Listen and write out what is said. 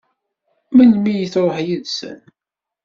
Melmi i tṛuḥ yid-sen?